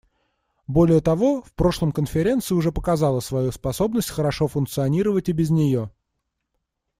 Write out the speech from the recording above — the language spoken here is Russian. Более того, в прошлом Конференция уже показала свою способность хорошо функционировать и без нее.